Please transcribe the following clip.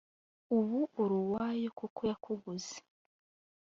ubu uri uwayo kuko yakuguze